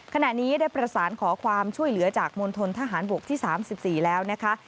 ขณะนี้ได้ประสานขอความช่วยเหลือจากมณฑนทหารบกที่๓๔แล้วนะคะ